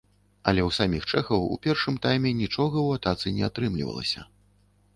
Але ў саміх чэхаў у першым тайме нічога ў атацы не атрымлівалася.